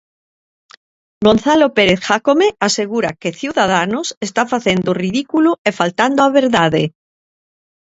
Gonzalo Pérez Jácome asegura que Ciudadanos está facendo o ridículo e faltando á verdade.